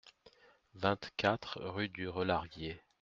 vingt-quatre rue du Relarguier